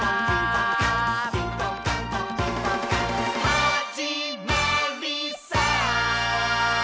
「はじまりさー」